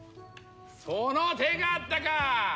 その手があったか！